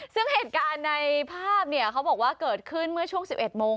ซึ่งเหตุการณ์ในภาพเนี่ยเขาบอกว่าเกิดขึ้นเมื่อช่วง๑๑โมง